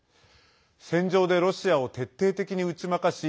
戦場でロシアを徹底的に打ち負かし